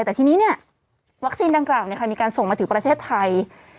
แต่ทีนี้วัคซีนดังกล่าวมีการส่งมาถึงประเทศไทย